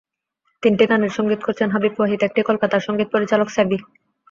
তিনটি গানের সংগীত করছেন হাবিব ওয়াহিদ, একটি কলকাতার সংগীত পরিচালক স্যাভি।